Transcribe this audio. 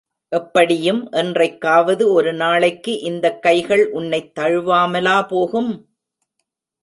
எப்படியும், என்றைக்காவது ஒரு நாளைக்கு இந்தக் கைகள் உன்னைத் தழுவாமலா போகும்?